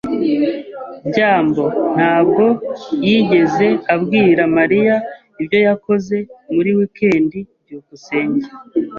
byambo ntabwo yigeze abwira Mariya ibyo yakoze muri wikendi. byukusenge